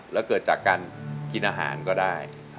แล้วเกิดจากการกินอาหารก็ได้